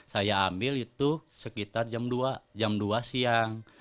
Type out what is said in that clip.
saya ambil itu sekitar jam dua jam dua siang